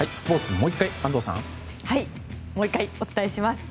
もう１回お伝えします。